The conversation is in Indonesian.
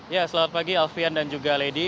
ya selamat pagi alfian dan juga lady